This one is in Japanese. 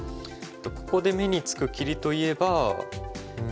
ここで目につく切りといえば。